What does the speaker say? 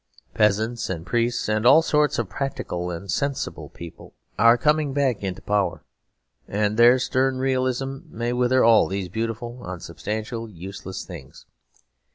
Peasants and priests and all sorts of practical and sensible people are coming back into power, and their stern realism may wither all these beautiful, unsubstantial, useless things.